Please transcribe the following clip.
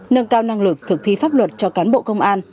nâng cao năng lực thực thi pháp luật cho cán bộ công an